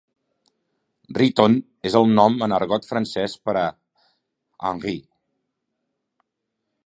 "Riton" és el nom en argot francès per a "Henry".